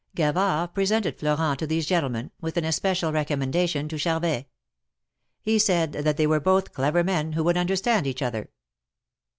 Gavard presented Elorent to these gentlemen, with an especial recommendation to Charvet. He said that they were both clever men, who would understand each other.